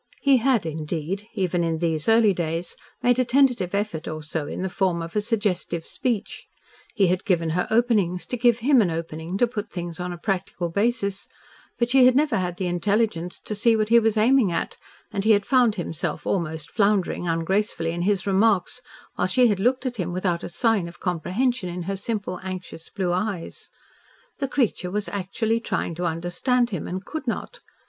He had, indeed, even in these early days, made a tentative effort or so in the form of a suggestive speech; he had given her openings to give him an opening to put things on a practical basis, but she had never had the intelligence to see what he was aiming at, and he had found himself almost floundering ungracefully in his remarks, while she had looked at him without a sign of comprehension in her simple, anxious blue eyes. The creature was actually trying to understand him and could not.